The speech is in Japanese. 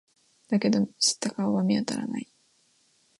だけど、知った顔は見当たらない。